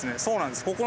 そうなんです。